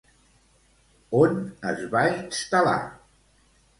On es va instal·lar?